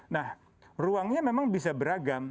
nah ruangnya memang bisa beragam